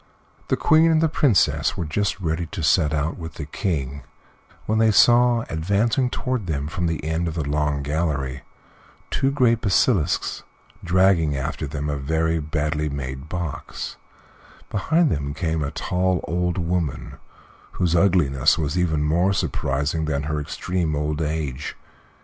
The Queen and the Princess were just ready to set out with the King when they saw, advancing toward them from the end of the long gallery, two great basilisks, dragging after them a very badly made box; behind them came a tall old woman, whose ugliness was even more surprising than her extreme old age.